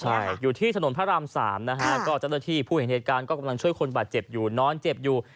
ใช่อยู่ที่ถนนพระรามสามนะฮะก็เจ้าหน้าที่ผู้เห็นเหตุการณ์ก็กำลังช่วยคนบาดเจ็บอยู่นอนเจ็บอยู่